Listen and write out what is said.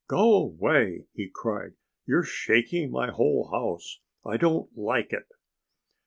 "Go away!" he cried. "You're shaking my whole house. I don't like it."